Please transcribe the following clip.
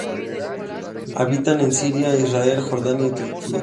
Habita en Siria, Israel, Jordania y Turquía.